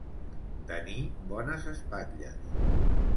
Tenir bones espatlles.